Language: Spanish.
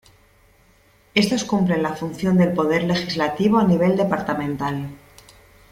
Estos cumplen la función del Poder Legislativo a nivel departamental.